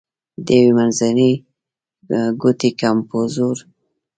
د یوې منځوۍ ګوتې کمپوزر و.